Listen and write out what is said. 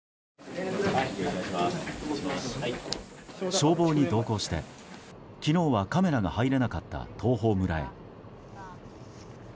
消防に同行して、昨日はカメラが入れなかった東峰村へ。